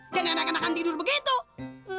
jangan enak enakan tidur begitu